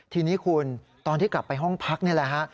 ทีนี้คุณตอนที่กลับไปห้องพักนี่แหละฮะ